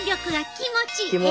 気持ちいいね。